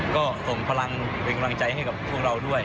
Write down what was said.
ก็ส่งพลังเป็นกำลังใจให้กับพวกเราด้วย